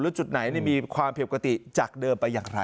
จุดไหนมีความผิดปกติจากเดิมไปอย่างไร